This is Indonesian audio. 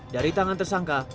dari tangan tersangka